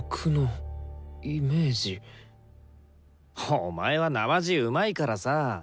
お前はなまじうまいからさ。